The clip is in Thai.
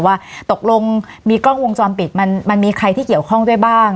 ว่าตกลงมีกล้องวงจรปิดมันมีใครที่เกี่ยวข้องด้วยบ้าง